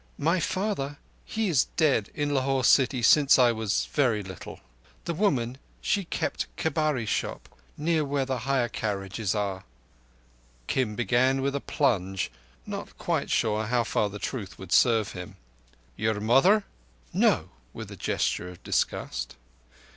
"My father, he is dead in Lahore city since I was very little. The woman, she kept kabarri shop near where the hire carriages are." Kim began with a plunge, not quite sure how far the truth would serve him. "Your mother?" "No!"—with a gesture of disgust.